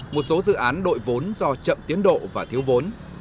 một số dự án đội vốn do chậm tiến độ và thiếu vốn